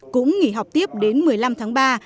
cũng nghỉ học tiếp đến một mươi năm tháng ba